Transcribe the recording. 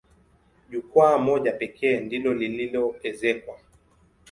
Jukwaa moja pekee ndilo lililoezekwa.